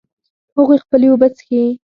هغوی خپلې اوبه څښي